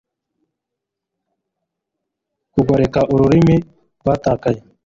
kugoreka, urumuri rwatakaye